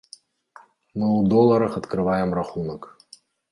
Мы ў доларах адкрываем рахунак.